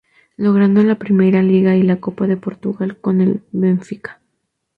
Logrando la Primeira Liga y la Copa de Portugal con el Benfica.